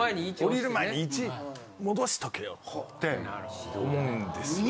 降りる前に１戻しとけよって思うんですよね。